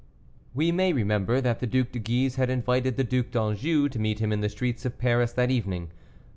We may remember that the Duc de Guise had invited the Duc d'Anjou to meet him in the streets of Paris that evening.